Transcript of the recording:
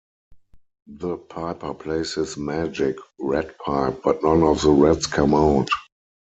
The piper plays his "magic" rat pipe but none of the rats come out.